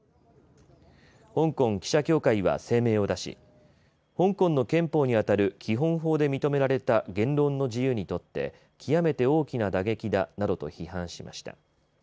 香港記者協会は声明を出し香港の憲法にあたる基本法で認められた言論の自由にとって極めて大きな打撃だなどと批判しました。